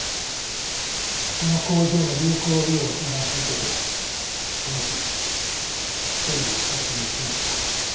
その工場の有効利用を相談されててその日１人で視察に行きました。